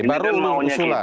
baru mau usulan